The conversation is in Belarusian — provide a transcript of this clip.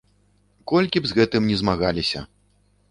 Колькі б з гэтым ні змагаліся.